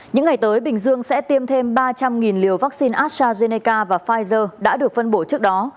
những ngày tới bình dương sẽ tiêm thêm ba trăm linh liều vaccine astrazeneca và pfizer đã được phân bổ trước đó